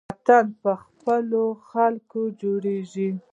وطن په خپلو خلکو جوړیږي